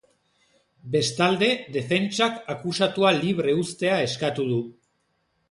Bestalde, defentsak akusatua libre uztea eskatu du.